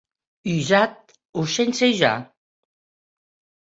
Usat o sense usar?